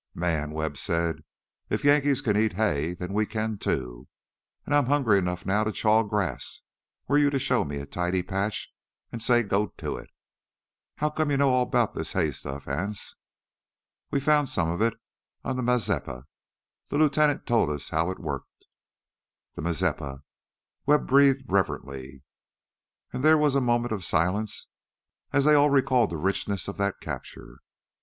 "Man," Webb said, "if the Yankees can eat hay, then we can too. An' I'm hungry 'nough to chaw grass, were you to show me a tidy patch an' say go to it! How come you know all 'bout this hay stuff, Anse?" "We found some of it on the Mazeppa. The lieutenant told us how it worked " "The Mazeppa!" Webb breathed reverently, and there was a moment of silence as they all recalled the richness of that capture.